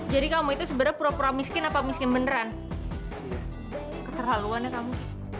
jadi kamu itu sebenarnya pura pura miskin apa miskin beneran terlalu aneh kamu